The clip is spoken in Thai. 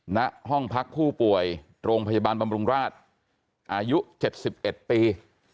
นห้องพักผู้ป่วยโรงพยาบาลบำรุงราชอายุเจ็ดสิบเอ็ดปี